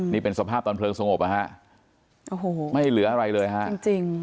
นี่เป็นสภาพตอนเพลิงสงบนะฮะโอ้โหไม่เหลืออะไรเลยฮะจริงจริง